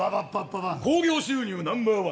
興行収入ナンバー１。